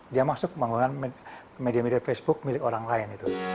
dia masuk menggunakan media media facebook milik orang lain